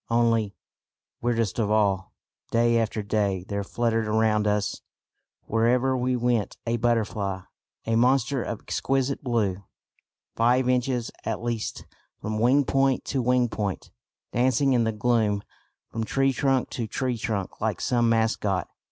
Only weirdest of all day after day there fluttered round us wherever we went a butterfly, a monster of exquisite blue, five inches at least from wing point to wing point, dancing in the gloom from tree trunk to tree trunk like some mascot.